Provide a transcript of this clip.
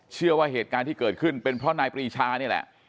เชื่อว่าเหตุการณ์ที่เกิดขึ้นเป็นเพราะนายปรีชานี่แหละ